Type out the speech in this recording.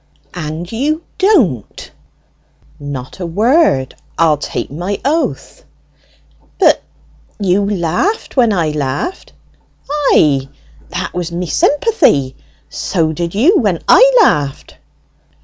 "And you don't!" "Not a word, I'll take my oath!" "But you laughed when I laughed." "Ay, that was me sympathy; so did you when I laughed!"